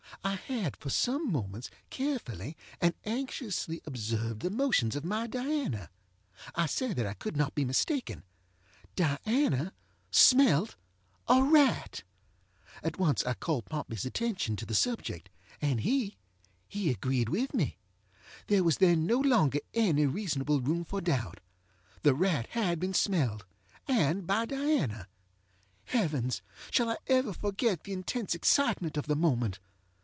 I had, for some moments, carefully and anxiously observed the motions of my DianaŌĆöI say that I could not be mistakenŌĆöDiana smelt a rat! At once I called PompeyŌĆÖs attention to the subject, and heŌĆöhe agreed with me. There was then no longer any reasonable room for doubt. The rat had been smelledŌĆöand by Diana. Heavens! shall I ever forget the intense excitement of the moment?